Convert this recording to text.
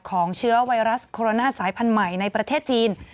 เชื้อไวรัสโคโรนาสายพันธุ์ใหม่ในประเทศจีน